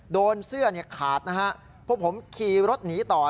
โดนเสื้อขาดนะฮะพวกผมขี่รถหนีต่อ